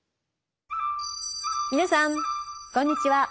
皆さんこんにちは。